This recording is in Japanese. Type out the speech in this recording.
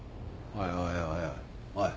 おいおいおいっ。